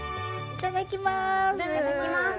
いただきます